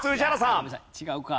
いやごめんなさい違うか。